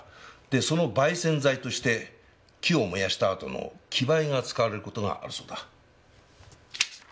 でその媒染剤として木を燃やしたあとの木灰が使われる事があるそうだ。